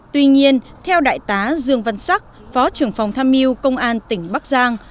tuy nhiên theo đại tá dương văn sắc phó trưởng phòng tham mưu công an tỉnh bắc giang